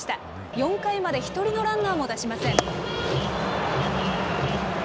４回まで１人のランナーも出しません。